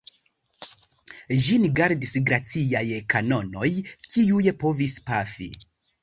Ĝin gardis glaciaj kanonoj, kiuj povis pafi.